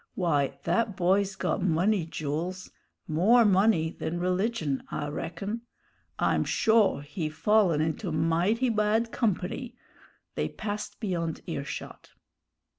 Why, that boy's got money, Jools; more money than religion, I reckon. I'm shore he fallen into mighty bad company " they passed beyond earshot.